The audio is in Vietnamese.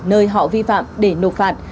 nơi họ vi phạm để nộp phạt